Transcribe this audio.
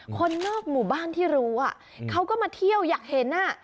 คนนอกหมู่บ้านที่รู้เขาก็มาเที่ยวอยากเห็น